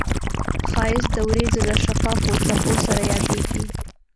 ښایست د وریځو له شفافو څپو سره یادیږي